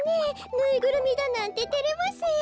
ぬいぐるみだなんでてれますよ！